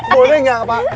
boleh gak pak